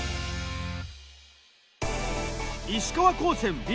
石川高専Ｂ。